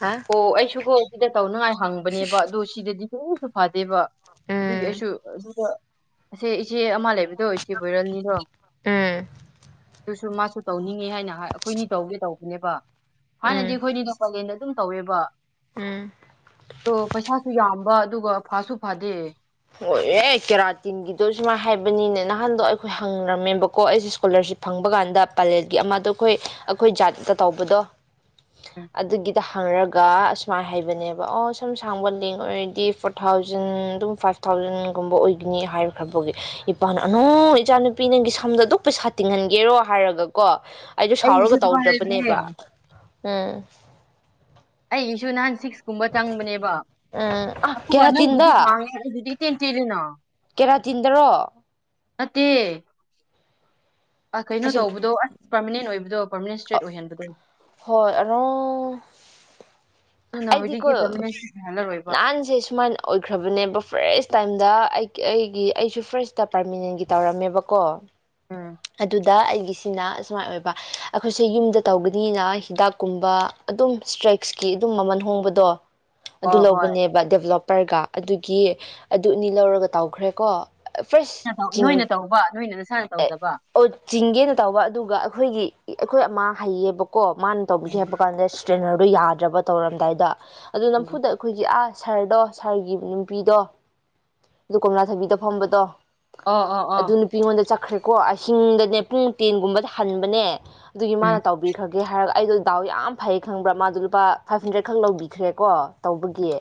ꯍꯥ ꯑꯣ ꯑꯩꯁꯨꯒꯣ ꯏꯗ ꯇꯧꯅ ꯐꯪꯕꯅꯦꯕ ꯑꯗꯣ ꯁꯤꯗꯗꯤ ꯁꯨꯁꯨ ꯐꯥꯗꯦꯕ ꯑꯗꯨꯒꯤ ꯎꯝ ꯑꯩꯁꯨ ꯑꯗꯨꯗ ꯁꯦꯆꯦ ꯑꯃ ꯂꯩꯗꯣ ꯏ ꯎꯝ ꯣꯏꯔꯦꯜꯅꯤꯗꯣꯁꯨ ꯃ ꯇꯧꯅꯤꯡꯉꯦ ꯍꯥꯏꯅ ꯍꯥꯏ ꯑꯩꯈꯣꯏꯅꯤ ꯇꯧꯒꯦ ꯇꯧꯕꯅꯦꯕ ꯍꯥ ꯎꯝ ꯅꯗꯤꯦꯈꯣꯏꯅꯤ ꯅꯗ [unintelligible] ꯑꯗꯨꯝ ꯇꯧꯋꯦꯕ ꯎꯝ ꯀꯁꯥꯁꯨꯨ ꯌꯥꯗ ꯕ ꯑꯗꯨꯒ ꯐꯥꯁꯨ ꯐꯥꯗꯦ ꯑꯣꯏ ꯑꯦ ꯀꯦꯔꯥꯇꯤꯟꯒꯤꯗꯣ ꯁꯨꯃꯥꯏꯅ ꯍꯥꯏꯕꯅꯤꯅꯦ ꯅꯍꯥꯟꯗꯣ ꯑꯩꯈꯣꯏ ꯍꯪꯔꯝꯃꯦꯕꯀꯣ ꯑꯩꯁꯦ ꯏꯁꯀꯣꯂꯥꯔꯁꯤꯞ ꯐꯪꯕ ꯀꯥꯟꯗ ꯄꯂꯦꯠꯒꯤ ꯑꯃꯗꯣ ꯑꯩꯈꯣꯏ ꯑꯩꯈꯣꯏ ꯖꯥꯠꯇꯠꯇ ꯇꯧꯕꯗꯣ ꯑꯗꯨꯒꯤꯗ ꯈꯪꯔꯒ ꯑꯁꯨꯃꯥꯏꯅ ꯍꯩꯕꯅꯦꯕ ꯑꯣ ꯁꯝ ꯁꯥꯡꯕ ꯂꯦꯡ ꯑꯣꯏꯔꯗꯤ ꯐꯣꯔ ꯊꯥꯎꯖꯟ ꯑꯗꯨꯝ ꯐꯥꯏꯚ ꯊꯥꯎꯖꯟꯒꯨꯝꯕ ꯑꯣꯏꯒꯅꯤ ꯍꯥꯏꯔꯈ꯭ꯔꯕꯒꯤ ꯏꯄꯥꯥꯟ ꯑꯅꯨ ꯏꯆꯥꯅꯨꯄꯤ ꯅꯪꯒꯤ ꯁꯝꯗ ꯑꯗꯨꯝ ꯄꯩꯁꯥ ꯇꯤꯡꯍꯟꯒꯦꯔꯣ ꯍꯥꯏꯔꯒꯀꯣ ꯑꯩꯁꯨ ꯑꯩꯒꯤꯁꯨ ꯁꯥꯎꯔꯒ ꯑꯗꯨꯃꯥꯏꯅ ꯂꯩꯕꯅꯦ ꯇꯧꯗ꯭ꯔꯕꯅꯦꯕ ꯎꯝ ꯑꯩ ꯏꯁꯨꯨ ꯅꯥꯟ ꯁꯤꯁ ꯀꯨꯝꯕ ꯆꯪꯕꯅꯦꯕ ꯎꯝ ꯑ ꯑꯗꯨꯒ ꯅꯪꯒꯤꯗ ꯀꯦꯔꯥꯇꯤꯟꯗ ꯁꯥꯡꯉꯦ ꯑꯗꯨꯗꯤ ꯇꯤꯟ ꯇꯤꯗꯅ ꯀꯦꯔꯥꯇꯤꯟꯗꯔꯣ ꯅꯠꯇ ꯑ ꯀꯩꯅꯣ ꯑꯁꯤ ꯇꯧꯕꯗꯣ ꯑꯁ ꯄꯥꯔꯃꯅꯦꯟ ꯑꯣꯏꯕꯗꯣ ꯑꯦꯗꯃꯤꯅꯤꯁꯇ꯭ꯔꯦꯠ ꯑꯣꯏꯍꯟꯕꯗꯣ ꯍꯣꯏ ꯑꯔꯣ ꯑꯗꯨꯅ ꯑꯩꯗꯤꯀꯣ ꯍꯧꯖꯤꯛꯇꯤ ꯄꯔꯃꯅꯦꯟ ꯏꯁꯇ꯭ꯔꯦꯠ ꯑꯣꯏꯍꯜꯂꯔꯣꯏꯕ ꯅꯍꯥꯟꯁꯦ ꯁꯨꯃꯥꯏꯅ ꯑꯣꯏꯈ꯭ꯔꯕꯅꯦꯕ ꯐ꯭ꯔꯦꯁ ꯇꯥꯏꯝꯗ ꯑꯩ ꯑꯩꯒꯤ ꯑꯩꯁꯨ ꯐꯥꯔꯁꯇ ꯄꯥꯔꯃꯤꯅꯦꯟꯒꯤ ꯇꯧꯔꯝꯃꯦꯕꯀꯣ ꯎꯝ ꯑꯗꯨꯗ ꯑꯩ ꯒꯤ ꯁꯤꯅ ꯑꯁꯨꯃꯥꯏꯅ ꯑꯣꯏꯕ ꯑꯩꯈꯣꯏꯁꯦ ꯌꯨꯝꯗ ꯇꯧꯒꯅꯤꯅ ꯍꯤꯗꯥꯛꯀꯨꯝꯕ ꯑꯗꯨꯝ ꯏꯁꯇ꯭ꯔꯦꯛꯁꯀꯤ ꯑꯗꯨꯝ ꯃꯃꯜ ꯍꯣꯡꯕꯗꯣ ꯑꯗꯨ ꯑꯣ ꯍꯣꯏ ꯂꯧꯕꯅꯦꯕ ꯗꯦꯕꯂꯞ ꯄꯔꯒꯥ ꯑꯗꯨꯒꯤ ꯑꯗꯨ ꯑꯅꯤ ꯂꯧꯔꯒ ꯇꯧꯈ꯭ꯔꯦꯀꯣ ꯅꯣꯏꯅ ꯇꯧꯕ ꯅꯣꯏ ꯑꯦ ꯑꯣ ꯆꯤꯡꯒꯦꯅ ꯇꯧꯕ ꯑꯗꯨꯒ ꯑꯩꯈꯣꯏꯒꯤ ꯑꯩꯈꯣꯏ ꯑꯃ ꯍꯩꯌꯦꯕ ꯀꯣ ꯃꯥꯅ ꯇꯧꯕꯤꯒꯦ ꯍꯥꯏꯕ ꯀꯥꯟꯗ ꯇ꯭ꯔꯦꯅꯔꯗꯣ ꯌꯥꯗ꯭ꯔꯕ ꯇꯧꯔꯝꯗꯥꯏꯗ ꯑꯗꯨ ꯎꯝ ꯅꯝꯐꯨꯗ ꯑꯩꯈꯣꯏꯒꯤ ꯑꯥ ꯁꯥꯍꯔꯗꯣ ꯁꯥꯔꯒꯤ ꯅꯨꯄꯤꯗꯣ ꯑꯗꯨ ꯀꯣꯝꯂꯥ ꯊꯕꯤꯗ ꯐꯝꯕꯗꯣ ꯑꯣ ꯑꯣ ꯑꯣ ꯑꯗꯨ ꯅꯨꯄꯤ ꯑꯩꯉꯣꯟꯗ ꯆ ꯀꯈ꯭ꯔꯦꯀꯣ ꯑꯍꯤꯡꯗꯅꯦ ꯄꯨꯡ ꯇꯦꯟꯒꯨꯝꯕꯗ ꯍꯟꯕꯅꯦ ꯑꯗꯨꯒꯤ ꯃꯥꯅ ꯎꯝ ꯇꯧꯕꯤꯈ꯭ꯔꯒꯦ ꯍꯥꯏꯔ ꯑꯩꯗꯣ ꯗꯥꯎ ꯌꯥꯝ ꯐꯩ ꯈꯪꯕ꯭ꯔꯥ ꯃꯥꯗꯣ ꯂꯨꯄꯥ ꯐꯥꯏꯚ ꯍꯟꯗ꯭ꯔꯦꯗ ꯈꯛ ꯂꯧꯕꯤꯈ꯭ꯔꯦꯀꯣ ꯇꯧꯕꯒꯤ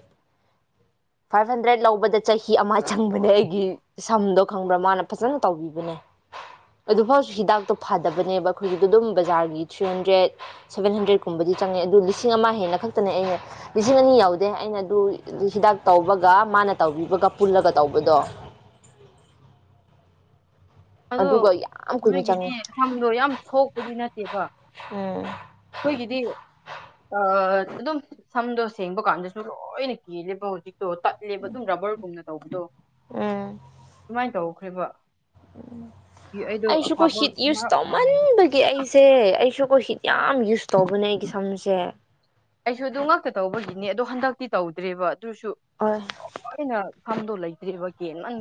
ꯐꯥꯏꯚ ꯍꯟꯗ꯭ꯔꯦꯠ ꯂꯧꯕꯗ ꯆꯍꯤ ꯑꯃ ꯆꯪꯕꯅꯦ ꯑꯩꯒꯤ ꯁꯝꯗꯣ ꯈꯪꯕ꯭ꯔꯥ ꯃꯥꯅ ꯐꯖꯅ ꯇꯧꯕꯤꯕꯅꯦ ꯑꯗꯨꯐꯥꯎꯁꯨ ꯍꯤꯗꯥꯛꯇꯣ ꯐꯗꯕꯅꯦꯕ ꯑꯩꯈꯣꯏꯒꯤꯗ ꯑꯗꯨꯝ ꯕꯖꯥꯔꯒꯤ ꯊ꯭ꯔꯤ ꯍꯟꯗ꯭ꯔꯦꯠ ꯁꯚꯦꯟ ꯍꯟꯗ꯭ꯔꯦꯗꯀꯨꯝꯕꯗꯤ ꯆꯪꯉꯩ ꯑꯗꯨ ꯂꯤꯁꯤꯡ ꯑꯃ ꯍꯦꯟꯅ ꯈꯛꯇꯅꯦ ꯑꯩꯅ ꯂꯤꯁꯤꯡ ꯑꯅꯤ ꯌꯥꯎꯗꯦ ꯑꯩꯅ ꯑꯗꯨ ꯍꯤꯗꯥꯛ ꯇꯧꯕꯒ ꯃꯥꯅ ꯇꯧꯕꯤꯕꯒ ꯄꯨꯜꯂꯒ ꯇꯧꯕꯗꯣ ꯑꯗꯣ ꯑꯗꯨꯒ ꯌꯥꯝ ꯀꯨꯏꯅ ꯆꯪꯉꯦ ꯅꯣꯏꯒꯤꯗꯤ ꯁꯝꯗꯣ ꯌꯥꯝ ꯁꯣꯛꯄꯗꯤ ꯅꯠꯇꯦꯕ ꯎꯝ ꯑꯩꯈꯣꯏꯒꯤꯗꯤ ꯑ ꯑꯗꯨꯝ ꯁꯝꯗꯣ ꯁꯦꯡꯕ ꯀꯥꯟꯗꯁꯨ ꯂꯣꯏꯅ ꯀꯤꯔꯦꯕ ꯍꯧꯖꯤꯛ ꯣ ꯇꯠꯂꯦꯕ ꯑꯗꯨꯝ ꯔꯕꯔꯒꯨꯝꯅ ꯇꯗꯣ ꯁꯨꯃꯥꯏ ꯀꯧ ꯑꯩꯈꯣꯏꯕ ꯎ ꯑꯩꯁꯨ ꯀꯣ ꯍꯤꯠ ꯌꯨꯁ ꯃꯔꯛ ꯇꯧꯃꯟꯕꯒꯤ ꯑꯩꯁꯦ ꯑꯩꯁꯨ ꯄꯣꯍꯤꯠ ꯌꯥꯝ ꯌꯨꯁ ꯇꯧꯕꯅꯦ ꯑꯩꯒꯤ ꯁꯝꯁꯦ ꯑꯩꯁꯨ ꯑꯗꯨ ꯉꯛꯇ ꯇꯧꯕꯒꯤꯅꯦ ꯑꯗꯣ ꯍꯟꯗꯛꯇꯤ ꯇꯧꯗ꯭ꯔꯦꯕ ꯑꯗꯨꯁꯨ ꯍꯣꯏ ꯂꯣꯏꯅ ꯐꯗꯣ ꯂꯩꯇꯦꯕ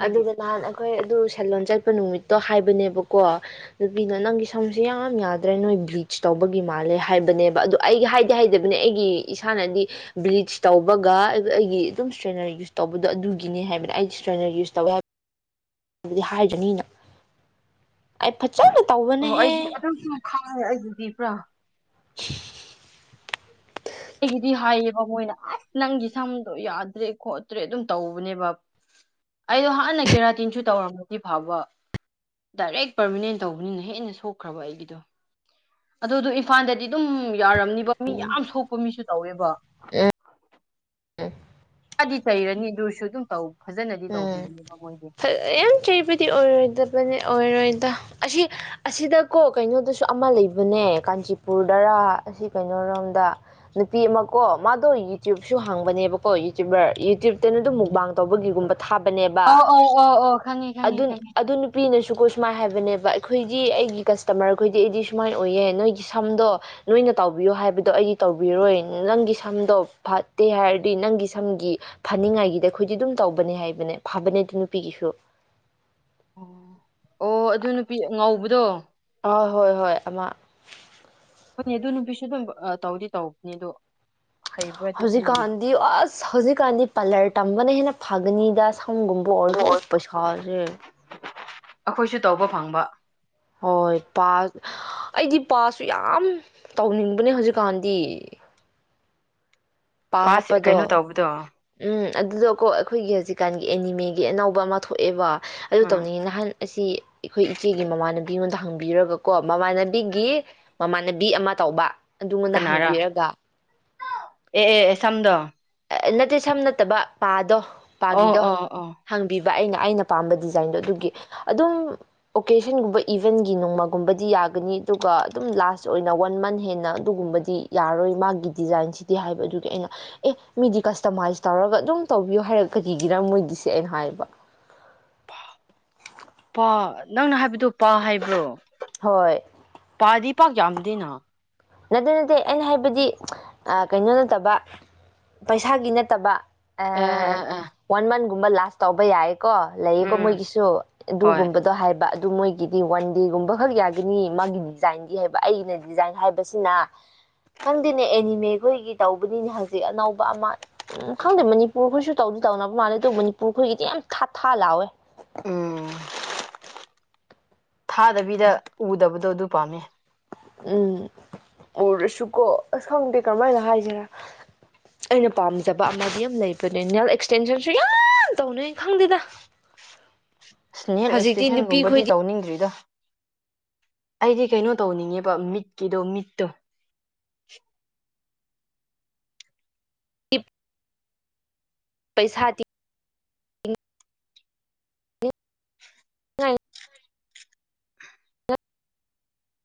ꯑꯗꯨꯒ ꯅꯍꯥꯟ ꯑꯩꯈꯣꯏ ꯑꯗꯨ ꯁꯟꯂꯣꯟ ꯆꯠ ꯆꯠꯄ ꯅꯨꯃꯤꯠꯇꯣ ꯍꯥꯏꯕꯅꯦꯕꯀꯣ ꯅꯨꯄꯤꯅ ꯅꯪꯒꯤ ꯁꯝꯁꯦ ꯌꯥꯝ ꯌꯥꯗ꯭ꯔꯦ ꯅꯣꯏ ꯕ꯭ꯂꯤꯆ ꯇꯧꯕꯒꯤ ꯃꯥꯜꯂꯦ ꯍꯥꯏꯕꯅꯦꯕ ꯑꯗꯨꯗ ꯑꯩꯒꯤ ꯍꯥꯏꯗꯤ ꯍꯥꯏꯗꯕꯅꯦ ꯑꯩꯒꯤ ꯏꯁꯥꯅꯗꯤ ꯕ꯭ꯂꯤꯆ ꯇꯧꯕꯒ ꯑꯩꯒꯤ ꯑꯗꯨꯝ ꯏꯁꯇ꯭ꯔꯦꯠꯅꯔ ꯌꯨꯁ ꯇꯧꯕꯗꯣ ꯑꯗꯨꯒꯤꯅꯦ ꯍꯥꯏꯕꯅꯦ ꯑꯩꯗꯤ ꯆꯅꯒꯤ ꯏꯁꯇꯕꯥ ꯍꯥꯏꯕꯗꯤ ꯍꯥꯏꯗ꯭ꯔꯅꯤꯅ ꯑꯩ ꯐ ꯑꯣ ꯑꯩꯗꯤ ꯑꯗꯨꯝꯁꯨ ꯈꯪꯉꯦ ꯑꯩꯗꯨꯗꯤ ꯄꯨꯔꯥ [unintelligible] ꯑꯩꯒꯤꯗꯤ ꯍꯥꯏꯌꯦꯕ ꯃꯣꯏꯅ ꯑꯁ ꯅꯪꯒꯤ ꯁꯝꯗꯣ ꯌꯥꯗ꯭ꯔꯦ ꯈꯣꯠꯇ꯭ꯔꯦ ꯑꯗꯨꯝ ꯇꯧꯕꯅꯦꯕ ꯑꯩꯗꯣ ꯍꯥꯟꯅ ꯀꯦꯔꯥꯇꯤꯟꯁꯨ ꯇꯧꯔꯝꯃꯗꯤ ꯐꯕ ꯗꯥꯏꯔꯦꯛ ꯄꯔꯃꯤꯅꯦꯟ ꯇꯧꯕꯅꯤꯅ ꯍꯦꯟꯅ ꯁꯣꯛꯈ꯭ꯔꯕ ꯑꯩꯒꯤꯗꯣ ꯑ ꯑꯗꯨꯝ ꯏꯝꯐꯥꯜꯗꯗꯤ ꯑꯗꯨꯝ ꯌꯥꯔꯝꯅꯤꯕ ꯃꯤ ꯌꯥꯝ ꯁꯣꯛꯄ ꯃꯤꯁꯨ ꯇꯧꯋꯦꯕ ꯍ ꯀꯗꯤ ꯆꯩꯔꯅꯤ ꯑꯗꯨꯁꯨ ꯑꯗꯨꯝ ꯇꯧ ꯐꯖꯅꯗꯤ ꯎꯝ ꯇꯧꯕꯤꯒꯅꯦꯕ ꯃꯣꯏꯗꯤ ꯌꯥꯝ ꯆꯩꯕꯗꯤ ꯑꯣꯏꯔꯣꯏꯗꯕꯅꯦ ꯑꯣꯏꯔꯣꯏꯗ ꯑꯁꯤ ꯑꯁꯤꯗꯀꯣ ꯀꯩꯅꯣꯗꯁꯨ ꯑꯃ ꯂꯩꯕꯅꯦ ꯀꯥꯟꯆꯤꯄꯨꯔꯗꯔꯥ ꯑꯁꯤ ꯀꯩꯅꯣꯔꯣꯝꯗ ꯅꯨꯄꯤ ꯑꯃꯀꯣ ꯃꯥꯗꯣ ꯌꯨꯇ꯭ꯌꯨꯕꯁꯨ ꯍꯥꯡꯕꯅꯦꯕ ꯍꯣꯏ ꯌꯨꯇ꯭ꯌꯕꯔ ꯌꯨꯇꯌꯨꯕꯇꯅ ꯑꯗꯨꯝ ꯃꯛꯕꯥꯡ ꯇꯧꯕꯒꯨꯝꯕ ꯑ ꯑ ꯑ ꯑ ꯈꯪꯉ ꯈꯅꯤꯉ ꯈꯉ ꯁꯨꯀꯣꯏ ꯁꯨꯃꯥꯏꯅ ꯍꯥꯏꯕꯅꯦꯕ ꯑꯩꯈꯣꯏꯗꯤ ꯑꯩꯒꯤ ꯀꯁꯇꯃꯔ ꯈꯣꯏꯗꯤ ꯑꯩꯗꯤ ꯁꯨꯃꯥꯏꯅ ꯑꯣꯏꯌꯦꯦ ꯅꯣꯏꯒꯤ ꯁꯝꯗꯣ ꯅꯣꯏꯅ ꯇꯧꯕꯤꯌꯣ ꯍꯥꯏꯕꯗꯣ ꯑꯩꯗꯤ ꯇꯧꯕꯤꯔꯣꯏ ꯅꯪꯒꯤ ꯁꯝꯗꯣ ꯐꯠꯇꯦ ꯍꯥꯏꯔꯗꯤ ꯅꯪꯒꯤ ꯁꯝꯒꯤ ꯐꯅꯤꯡꯉꯥꯏꯒꯤꯗꯤ ꯑꯩꯈꯣꯏꯗꯤ ꯑꯗꯨꯝ ꯇꯧꯕꯅꯦ ꯍꯥꯏ ꯅꯦ ꯐꯕꯅꯦ ꯑꯗꯨ ꯅꯨꯄꯤꯒꯤꯁꯨ ꯑꯣ ꯑꯣ ꯑꯗꯨ ꯅꯨꯄꯤ ꯉꯧꯕꯗꯣ ꯑ ꯍꯣꯏ ꯍꯣꯏ ꯑ ꯍꯣꯏꯅꯦ ꯑꯗꯨ ꯅꯨꯄꯤꯁꯨ ꯑꯗꯨꯝ ꯇꯧꯗꯤ ꯇꯅꯤ ꯑꯗꯣ ꯍꯩꯕ꯭ꯔꯗꯤ ꯍꯧꯖꯤꯛ ꯈꯪꯗꯦ ꯀꯥꯟꯗꯤ ꯑꯁ ꯍꯧꯖꯤꯛ ꯀꯥꯟꯗꯤ ꯄꯂꯠ ꯇꯝꯕꯅꯦ ꯍꯅ ꯐꯒꯅꯤꯗ ꯁꯝꯒꯨꯝꯕ ꯑꯣꯏꯔꯁꯨ ꯄꯩꯁꯥ [unintelligible] ꯑꯩꯈꯣꯏꯁꯨ ꯇꯧꯕ ꯐꯪꯕ ꯍꯣꯏ ꯄꯥ ꯑꯩꯗꯤ ꯄꯥꯁꯨ ꯌꯥꯝ ꯇꯧꯅꯤꯡꯕꯅꯦ ꯍꯧꯖꯤꯛꯀꯥꯟꯗꯤ ꯄꯥ ꯄꯥꯁꯦ ꯍꯥꯞꯄꯗꯣ ꯀꯩꯅꯣ ꯇꯧꯕꯗꯣ ꯎꯝ ꯑꯗꯨꯗꯀꯣ ꯑꯩꯈꯣꯏꯒꯤ ꯍꯧꯖꯤꯛꯀꯥꯟꯒꯤ ꯑꯦꯅꯤꯃꯦꯒꯤ ꯑꯅꯧꯕ ꯑꯃ ꯊꯣꯛꯑꯦꯕ ꯑꯗꯨ ꯎꯝ ꯇꯧꯅꯤꯡꯉꯤ ꯅꯍꯥꯟ ꯑꯁꯤ ꯑꯩꯈꯣꯏ ꯏꯆꯦꯒꯤ ꯃꯃꯥꯟꯅꯕꯤ ꯑꯃ ꯗꯥꯛ ꯍꯪꯕꯤꯔꯒꯀꯣ ꯃꯃꯥꯟꯅꯕꯤꯒꯤ ꯃꯃꯥꯟꯅꯕꯤ ꯑꯃ ꯇꯧꯕ ꯑꯗꯨꯉꯣꯟꯗ ꯀꯅꯥꯔꯥ ꯍꯪꯕꯤꯔꯒ ꯑꯦ ꯑꯦ ꯑꯦ ꯁꯝꯗꯣ ꯑꯦ ꯅꯠꯇꯦ ꯁꯝ ꯅꯠꯇꯕ ꯄꯥꯗꯣ ꯑꯣ ꯄꯥꯒꯤꯗꯣ ꯑꯣ ꯑꯣ ꯍꯥꯡꯕꯤꯕ ꯕꯥ ꯑꯩꯅ ꯑꯩꯅ ꯄꯥꯝꯕ ꯗꯤꯖꯥꯏꯟꯗꯣ ꯑꯗꯨꯒꯤ ꯑꯗꯨꯝ ꯑꯣꯀꯦꯖꯟꯒꯨꯝꯕ ꯏꯚꯦꯟꯒꯤ ꯅꯣꯡꯃꯒꯨꯝꯕꯗꯤ ꯌꯥꯒꯅꯤ ꯑꯗꯨꯒ ꯑꯗꯨꯝ ꯂꯥꯁ ꯑꯣꯏꯅ ꯋꯥꯟ ꯃꯟ ꯍꯦꯟꯅ ꯑꯗꯨꯒꯨꯝꯕꯗꯤ ꯌꯥꯔꯔꯣꯏ ꯃꯥꯒꯤ ꯗꯤꯖꯥꯏꯟꯁꯤꯗꯤ ꯍꯥꯏꯕ ꯑꯗꯨꯒꯤ ꯑꯩꯅ ꯑꯦ ꯃꯤꯗꯤ ꯀꯁꯇꯃꯥꯏꯁ ꯇꯧꯔꯒ ꯑꯗꯨꯝ ꯇꯧꯕꯤꯌꯨ ꯍꯥꯏꯔꯛꯒꯅꯤꯒꯤꯔ ꯃꯣꯏꯒꯤꯁꯦ ꯑꯩꯅ ꯍꯥꯏꯕ ꯄꯥ ꯄꯥ ꯅꯪꯅ ꯍꯥꯏꯕꯗꯣ ꯄꯥ ꯍꯥꯏꯕ꯭ꯔꯣ ꯍꯣꯏ ꯄꯥꯗꯤ ꯄꯥꯛ ꯌꯥꯝꯗꯦꯅ ꯅꯠꯇꯦ ꯅꯠꯇꯦ ꯑꯩꯅ ꯍꯥꯏꯕꯗꯤ ꯑ ꯀꯩꯅꯣ ꯅꯠꯇꯕ ꯄꯩꯁꯥꯒꯤ ꯅꯠꯇꯕ ꯑ ꯑꯦ ꯑꯦ ꯑꯦ ꯋꯥꯟ ꯃꯟ ꯒꯨꯝꯕ ꯂꯥꯁ ꯇꯧꯕ ꯌꯥꯏ ꯀꯣ ꯂꯩꯌꯦꯀꯣ ꯎꯝ ꯃꯣꯏꯒꯤꯁꯨ ꯍꯣꯏ ꯑꯗꯨꯒꯨꯝꯕꯗꯣ ꯍꯥꯏꯕ ꯑꯗꯨ ꯃꯣꯏꯒꯤꯗꯤ ꯋꯥꯟꯗꯦ ꯒꯨꯝꯕ ꯈꯛ ꯌꯥꯒꯅꯤ ꯃꯥꯒꯤ ꯗꯤꯖꯥꯏꯟꯗꯤ ꯍꯥꯏꯕ ꯑꯩꯒꯤꯅ ꯗꯤꯖꯥꯏꯟ ꯍꯥꯏꯕ ꯁꯤꯅ ꯈꯪꯗꯦꯅꯦ ꯑꯦꯅꯤꯃꯦ ꯈꯣꯏꯒꯤ ꯇꯧꯕꯅꯤꯅꯦ ꯍꯧꯖꯤꯛ ꯑꯅꯧꯕ ꯑꯃ ꯎꯝ ꯈꯪꯗꯦ ꯃꯅꯤꯄꯨꯔ ꯈꯣꯏꯁꯨ ꯇꯧꯗꯤ ꯇꯧꯅꯕ ꯃꯥꯜꯂꯦ ꯑꯗꯨ ꯃꯅꯤꯄꯨꯔ ꯈꯣꯏꯒꯤꯗꯤ ꯌꯥꯝ ꯊꯥ ꯊꯥ ꯂꯥꯎꯋꯦ ꯎꯝ ꯊꯥꯗꯕꯤꯗ ꯎꯗꯕꯗꯣ ꯑꯗꯨ ꯄꯥꯝꯃꯦ ꯎꯝ ꯎꯔꯁꯨꯀꯣ ꯑꯁ ꯈꯪꯗꯦ ꯀꯔꯝꯍꯥꯏꯅ ꯍꯥꯏꯁꯤꯔꯥ ꯑꯩꯅ ꯄꯥꯝꯖꯕ ꯑꯃꯗꯤ ꯌꯥꯝ ꯂꯩꯕꯅꯦ ꯅꯦꯜ ꯑꯦꯛꯁꯇꯦꯟꯁꯟꯁꯨ ꯌꯥꯝ ꯇꯧꯅꯩ ꯈꯪꯗꯦꯗ ꯑꯁ ꯅꯦꯜ ꯍꯧꯖꯤꯛꯇꯤ ꯑꯦꯛꯁꯇꯦꯁꯟꯒꯨꯝꯕꯗꯤ ꯅꯨꯄꯤꯈꯣꯏꯗꯤ ꯇꯧꯅꯤꯡꯗ꯭ꯔꯤꯗ ꯑꯩꯗꯤ ꯀꯩꯅꯣ ꯇꯧꯅꯤꯡꯉꯦꯕ ꯃꯤꯠꯀꯤꯗꯣ ꯃꯤꯠꯇꯣ ꯄꯩꯁꯥꯇꯤ [inaudible] ꯇꯤꯡꯅꯤꯡꯉꯥꯏ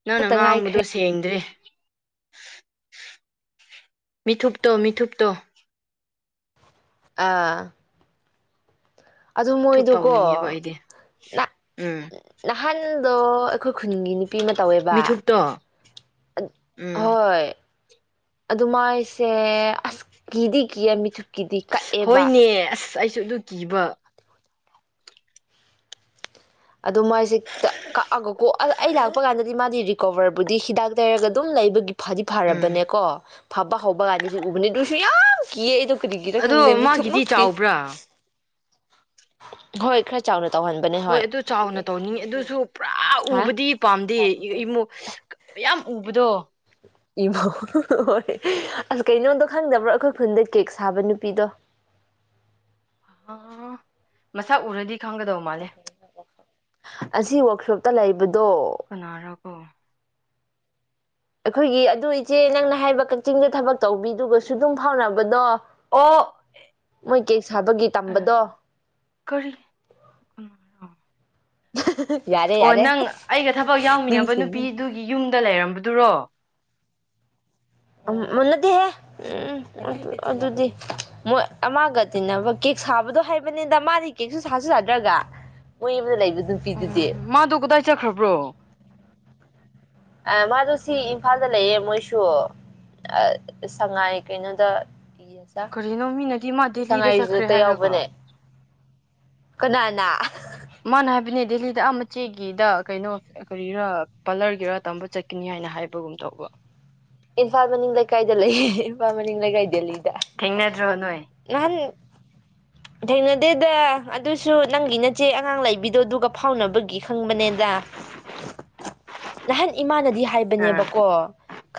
ꯅꯪꯅ ꯈꯛꯇ ꯉꯥꯡꯕꯗꯣ ꯉꯥꯏꯈ꯭ꯔꯦ ꯁꯦꯡꯗ꯭ꯔꯦ ꯃꯤꯊꯨꯞꯇꯣ ꯃꯤꯊꯨꯞꯇꯣ ꯑꯥ ꯑꯗꯨ ꯃꯤꯊꯨꯞ ꯃꯣꯏꯗꯨꯀꯣ ꯇꯧꯅꯤꯡꯉꯦꯕ ꯑꯩꯗꯤ ꯅꯥ ꯎꯝ ꯅꯍꯥꯟ ꯗꯣ ꯑꯩꯈꯣꯏ ꯈꯨꯅꯤꯡꯒꯤꯅꯤ ꯄꯤ ꯑꯃꯥ ꯇꯧꯋꯦꯕ ꯃꯤꯊꯨꯞꯇꯣ ꯎꯝ ꯍꯣꯏ ꯑꯗꯨ ꯃꯥꯏꯁꯦ ꯑꯁꯀꯤꯗꯤ ꯀꯤꯌꯩ ꯃꯤꯊꯨꯝ ꯍꯣꯏꯅꯦ ꯑꯁ ꯑꯩ ꯆꯠꯂꯨꯈꯤꯕ ꯑꯗꯣ ꯃꯥꯏꯁꯤꯦ ꯀꯛꯑꯒ ꯀꯣ ꯑꯩ ꯂꯥꯛꯄ ꯀꯥꯟꯗꯗꯤ ꯃꯥꯗꯤ ꯔꯤꯀꯣꯕꯔꯕꯨꯗꯤ ꯍꯤꯗꯥꯛ ꯂꯩꯩꯔꯒ ꯑꯗꯨꯝ ꯂꯩꯕꯒꯤ ꯐꯗꯤ ꯎꯝ ꯐꯔꯕꯅꯦꯀꯣ ꯐꯕ ꯍꯧꯕ ꯀꯥꯟꯗꯁꯨ ꯎꯕꯅꯦ ꯑꯗꯨꯁꯨ ꯌꯥꯝ ꯀꯤ ꯑꯩꯗ ꯑꯗꯣ ꯃꯥꯒꯤꯗꯤ ꯆꯥꯎꯕ꯭ꯔꯥ ꯍꯣꯏ ꯈꯔ ꯆꯥꯎꯥꯎꯅ ꯍꯣꯏ ꯑꯗꯨ ꯆꯥꯎꯅ ꯇꯧꯅꯤꯡꯉꯤ ꯑꯗꯨꯁꯨ ꯄꯨꯔꯥ ꯍꯥ ꯎꯕꯗꯤ ꯄꯥꯝꯗꯦ ꯏꯃ ꯃꯌꯥꯝ ꯎꯕꯗꯣ ꯏꯕꯣ ꯍꯣꯏ ꯑꯁ ꯀꯩꯅꯣꯗꯣ ꯈꯪꯗꯕ꯭ꯔꯣ ꯑꯩꯈꯣꯏ ꯈꯨꯟꯗ ꯀꯦꯛ ꯁꯥꯕ ꯅꯨꯄꯤꯗꯣ ꯃꯁꯥ ꯎꯔꯗꯤ ꯈꯪꯒꯗꯧ ꯃꯥꯜꯂꯦ ꯑꯁꯤꯁ ꯋꯛꯁꯣꯄ ꯂꯩꯕ ꯀꯅꯥꯔꯒꯣ ꯑꯩꯈꯣꯏꯒꯤ ꯑꯗꯨ ꯏꯆꯦ ꯅꯪꯅ ꯍꯥꯏꯕ ꯀꯛꯆꯤꯡꯗ ꯊꯕꯛ ꯇꯧꯕꯤꯗꯨꯒꯁꯨ ꯑꯗꯨꯝ ꯐꯥꯎꯅꯕꯗꯣ ꯑꯣ ꯃꯣꯏ ꯀꯦꯛ ꯁꯥꯕꯒꯤ ꯇꯝꯕꯗꯣ ꯀꯔꯤ [inaudible] ꯑꯣ ꯅꯪ ꯑꯩꯒ ꯊꯕꯛ ꯌꯥꯎꯃꯤꯟꯅꯕ ꯅꯤꯡꯁꯤꯡꯉꯦ ꯅꯨꯄꯤꯗꯨꯒꯤ ꯌꯨꯝꯗ ꯂꯩꯔꯝꯕꯗꯨ ꯐꯊ꯭ꯔꯣ ꯃꯨꯟꯅꯗꯤꯍꯦ ꯎꯝ ꯎꯝ ꯑꯗꯨꯗꯤ ꯃꯣꯏ ꯑꯃꯒ ꯇꯤꯟꯅꯕ ꯀꯦꯛ ꯁꯥꯕꯗꯣ ꯍꯥꯏꯕꯅꯤꯗ ꯃꯥꯗꯤ ꯀꯦꯛꯁꯨ ꯁꯥꯁꯨ ꯌꯥꯗ꯭ꯔꯒ ꯃꯣꯏ ꯑꯃꯗ ꯂꯩꯕ ꯅꯨꯄꯤꯗꯨꯗꯤ ꯎꯝ ꯃꯥꯗꯣ ꯀꯗꯥꯏ ꯆꯠꯈ꯭ꯔꯕ꯭ꯔꯣ ꯑ ꯃꯥꯗꯣ ꯁꯤ ꯏꯝꯐꯥꯜꯗ ꯂꯩꯌꯦꯦ ꯃꯣꯏꯁꯨ ꯁꯉꯥꯏ ꯀꯩꯅꯣꯗ ꯌꯦꯁꯥ ꯀꯔꯤꯅꯣ ꯃꯤꯅꯗꯤ ꯃꯥ ꯗꯦꯍꯤꯗ ꯆꯠꯈ꯭ꯔꯦ ꯍꯥꯏꯔꯒ ꯀꯅꯥꯅꯥ ꯗꯦꯍꯤꯗ ꯑꯥ ꯃꯆꯦꯒꯤꯗ ꯀꯩꯅꯣ ꯀꯔꯤꯔꯥ ꯄꯥꯂꯔꯒꯤꯔ ꯇꯝꯕ ꯆꯠꯀꯅꯤ ꯍꯥꯏꯅ ꯍꯥꯏꯕꯒꯨꯝ ꯇꯧꯕ ꯏꯟꯐꯥꯜ ꯃꯅꯤꯅꯤꯡ ꯂꯩ ꯀꯥꯏꯗꯦ ꯂꯩ ꯏꯟꯐꯥꯜ ꯃꯅꯤꯅꯤꯡ ꯂꯩ ꯀꯥꯏꯗꯦ ꯂꯩ ꯊꯦꯡꯅꯗ꯭ꯔꯣ ꯅꯣꯏ ꯊꯦꯡꯅꯗꯦꯗ ꯑꯗꯨꯁꯨ ꯅꯪꯒꯤ ꯅꯆꯦ ꯑꯉꯥꯡ ꯂꯩꯕꯤꯗꯣ ꯑꯗꯨꯒꯒ ꯐꯥꯎꯅꯕꯒꯤ ꯈꯪꯕꯅꯦꯗ ꯅꯍꯥꯟ ꯏꯃꯥꯅꯗꯤ ꯑꯥ ꯍꯥꯏꯕꯅꯦꯕꯀꯣ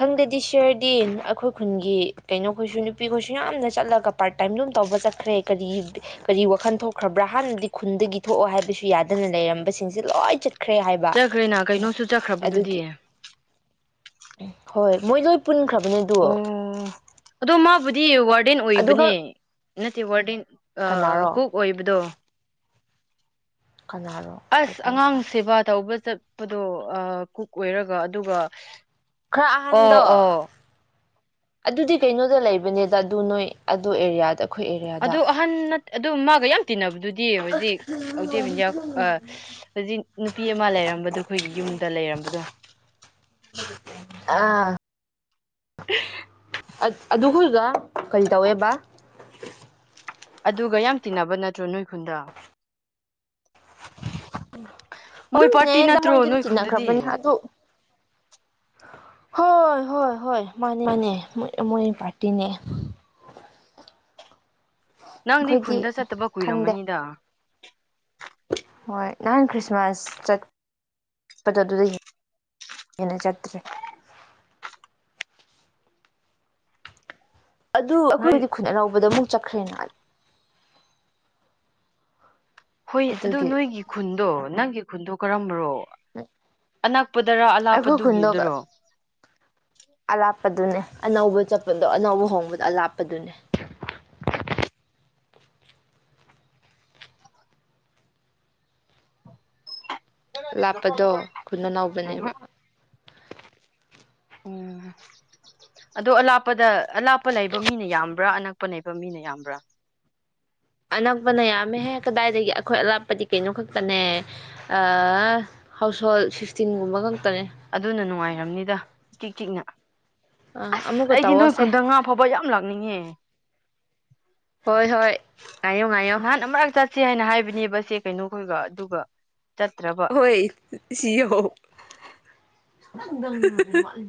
ꯅꯪꯗꯗꯤ ꯁꯤꯔꯗꯤ ꯑꯩꯈꯣꯏ ꯈꯨꯟꯒꯤ ꯀꯩꯅꯣ ꯈꯣꯏꯁꯨ ꯅꯨꯄꯤ ꯈꯣꯏꯁꯨ ꯌꯥꯝꯅ ꯆꯠꯂꯒ ꯄꯥꯔꯠ ꯇꯥꯏꯝ ꯂꯝ ꯇꯧꯕ ꯆꯠꯈ꯭ꯔꯦ ꯀꯔꯤ ꯀꯔꯤ ꯋꯥꯈꯜ ꯊꯣꯛꯈ꯭ꯔꯕ꯭ꯔꯥ ꯍꯥꯟꯅꯗꯤ ꯈꯨꯟꯗꯒꯤ ꯊꯣꯛꯑꯣ ꯍꯥꯏꯕꯁꯨ ꯌꯥꯗꯅ ꯂꯩꯔꯝꯕꯁꯤꯡꯁꯦ ꯂꯣꯏ ꯆꯠ ꯆꯠꯈ꯭ꯔꯦꯅꯥ ꯀꯩꯅꯣꯁꯨ ꯆꯠꯈ꯭ꯔꯕꯗꯨꯗꯤ ꯎ ꯍꯣꯏ ꯃꯣꯏ ꯂꯣꯏ ꯄꯨꯟꯈ꯭ꯔꯕ ꯅꯤꯅꯦ ꯗ ꯑꯗꯨꯗꯣ ꯃꯥꯕ ꯋꯥ ꯋꯥꯔꯗꯦꯟ ꯑꯣꯏꯕꯅꯦ ꯅꯠꯇꯦ ꯋꯥꯔꯗꯦꯟ ꯀꯅꯥꯔꯣ ꯀꯣꯛ ꯑꯣꯏꯕꯗꯣ ꯀꯅꯥꯔꯣ ꯑꯁ ꯑꯉꯥꯡ ꯀꯣꯀꯣꯏꯕ ꯁꯦꯕꯥ ꯇꯧꯕ ꯆꯠꯄꯗꯣ ꯀꯨꯛ ꯑꯣꯏꯔꯒ ꯑꯗꯨꯒ ꯈꯔ ꯑꯣ ꯑꯍꯟꯗ ꯑꯣ ꯑꯗꯨꯗꯤ ꯀꯩꯅꯣꯗ ꯂꯩꯕꯅꯦꯗ ꯑꯗꯨ ꯅꯣꯏ ꯑꯗꯨ ꯑꯦꯔꯤꯌꯥꯗ ꯑꯩꯈꯣꯏ ꯑꯦꯔꯤꯌꯥꯗ ꯑꯗꯨꯗ ꯑꯍꯟ ꯑꯗꯨ ꯃꯥꯒ ꯌꯥꯝ ꯇꯤꯟꯅꯕꯗꯨꯗꯤ ꯍꯧꯖꯤꯛ ꯑꯇꯦꯕ ꯏꯟꯗꯤꯌꯥ ꯍꯧꯖꯤꯛ ꯅꯨꯄꯤ ꯑꯃ ꯂꯩꯔꯝꯕꯗꯣ ꯑꯩꯈꯣꯏꯒꯤ ꯌꯨꯝꯗ ꯂꯩꯔꯝꯕꯗꯣ ꯑꯥ [inaudible] ꯑꯗꯨꯈꯔꯒ ꯀꯔꯤ ꯇꯧꯋꯦꯕ ꯑꯗꯨꯒ ꯌꯥꯝ ꯇꯤꯟꯅꯕ ꯅꯠꯇ꯭ꯔꯣ ꯅꯣꯏ ꯈꯨꯟꯗ ꯃꯣꯏ ꯄꯥꯔꯇꯤ ꯑꯗꯨꯝꯅꯦꯗ ꯃꯣꯏꯗꯤ ꯅꯠꯇ꯭ꯔꯣ ꯑꯗꯨꯝ ꯅꯣꯏ ꯈꯨꯟꯗꯗꯤ ꯆꯤꯟꯅꯈ꯭ꯔꯕꯅꯤ ꯑꯗꯨ ꯍ ꯍꯣꯏ ꯍꯣꯏ ꯃꯥꯅꯦ ꯃꯥꯅꯦ ꯃꯣꯏ ꯄꯥꯇꯅꯦ ꯅꯪꯗꯤ ꯈꯨꯟꯗ ꯆꯠꯇꯕ ꯈꯪꯗꯦ ꯀꯨꯏꯔꯝꯃꯅꯤꯗ ꯍꯣꯏ ꯅꯍꯥꯟ ꯈ꯭ꯔꯤꯁꯃꯥꯁ ꯆꯠꯄꯗꯣ ꯑꯗꯨꯗꯒꯤꯟꯅ ꯍꯦꯟꯅ ꯆꯠꯇ꯭ꯔꯦ ꯑꯗꯨ ꯅꯣꯏ ꯑꯩꯈꯣꯏꯕꯨꯗꯤ ꯈꯨꯠꯅ ꯂꯧꯕꯗ ꯑꯃꯨꯛ ꯆꯈ꯭ꯔꯅꯥꯜ ꯍꯣꯏ ꯑꯗꯣ ꯅꯣꯏꯒꯤ ꯈꯨꯟꯗꯣ ꯅꯪꯒꯤ ꯈꯨꯟꯗ ꯀꯔꯝꯕꯅꯣ ꯑꯅꯛꯄꯗꯔꯥ ꯑꯩꯈꯣꯏ ꯈꯨꯟꯗꯣ ꯑꯂꯥꯞꯄꯗꯨꯒꯤꯗꯨꯔꯣ ꯂꯥꯞꯄꯗꯨꯅꯦ ꯑꯅꯧꯕ ꯆꯠꯄꯗꯣ ꯑꯅꯧꯕ ꯍꯣꯡꯕꯗ ꯂꯥꯞꯄꯗꯨꯅꯦ ꯂꯥꯞꯄꯗꯣ ꯈꯨꯅ ꯅꯕꯅꯦꯕ ꯎꯝꯍꯨꯝ ꯎꯝ ꯑꯗꯣ ꯑꯂꯥꯞꯄꯗ ꯑ ꯂꯥꯞꯄ ꯂꯩꯕ ꯃꯤꯅ ꯌꯥꯝꯕ꯭ꯔꯥ ꯅꯅ ꯑꯣꯣꯛꯄ ꯅꯩꯕ ꯃꯤꯅ ꯌꯥꯝꯕ꯭ꯔꯥ ꯑꯅꯛꯄꯅ ꯌꯥꯝꯃꯦꯍꯦꯛ ꯀꯗꯥꯏꯗꯒꯤ ꯑꯩꯈꯣꯏ ꯑꯂꯥꯞꯄꯗꯤ ꯀꯩꯅꯣ ꯈꯛꯇꯅꯦ ꯍꯥꯎꯁ ꯍꯣꯜ ꯁꯤꯁꯇꯤꯟꯒꯨꯝꯕ ꯈ ꯑꯗꯨꯅ ꯅꯨꯡꯉꯥꯏꯔꯝꯅꯤꯗ ꯏꯤꯛ ꯇꯤꯛꯅ ꯑꯥ ꯑꯁ ꯑꯃꯨꯛꯀ ꯑꯩꯗꯤ ꯅꯣꯏ ꯇꯧꯔꯁꯦ ꯈꯨꯟꯗ ꯉꯥ ꯐꯥꯎꯕ ꯌꯥꯝ ꯂꯥꯛꯅꯤꯡꯉꯦ ꯍꯣꯏ ꯍꯣꯏ ꯉꯥꯏꯌꯣ ꯉꯥꯏꯌꯣ ꯅꯍꯥꯟ ꯑꯃꯛ ꯆꯠꯁ ꯍꯥꯏꯅ ꯍꯥꯏꯕꯅꯦꯕ ꯁꯤ ꯀꯩꯅꯣꯈꯣꯏꯒ ꯑꯗꯨꯒ ꯆꯠꯇ꯭ꯔꯕ ꯍꯣꯏ ꯁꯤ [unintelligible]